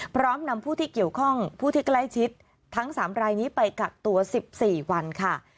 พร้อมนำผู้ที่เกี่ยวข้องผู้ที่ใกล้ชิดทั้ง๓รายนี้ไปกักตัว๑๔วันค่ะ